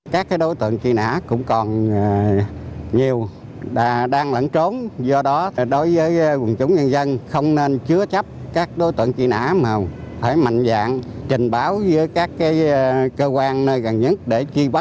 các đối tượng truy nã cũng còn nhiều đang lẫn trốn do đó đối với quần chủ nhân dân không nên chứa chấp các đối tượng truy nã mà phải mạnh dạng trình báo với các cơ quan nơi gần nhất để truy bắt đối tượng truy nã